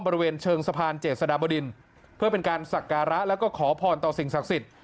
บริเวณเชิงสะพานเจษฎาเบอร์ดินเพื่อเป็นการศักรรณ์และขอพรต่อสิ่งศักดิ์ศิษฐ์